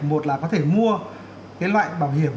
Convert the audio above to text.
một là có thể mua cái loại bảo hiểm